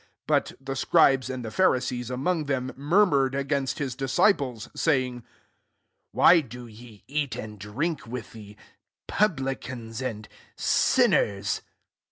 30 But the scribes and the Pha risees among them murmured against his disciples, saying, << Why do jou eat and drink with the publicans and siraiers?"